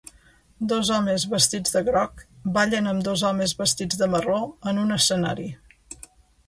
Dos homes vestits de groc ballen amb dos homes vestits de marró en un escenari.